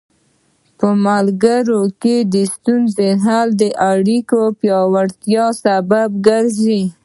په ملګرو کې د ستونزو حل د اړیکو پیاوړتیا سبب ګرځي.